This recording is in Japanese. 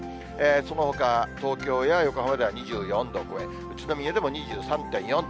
そのほか東京や横浜では２４度超え、宇都宮でも２３．４度。